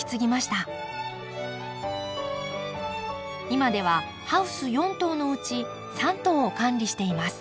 今ではハウス４棟のうち３棟を管理しています。